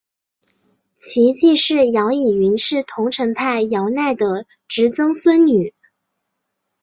其继室姚倚云是桐城派姚鼐的侄曾孙女。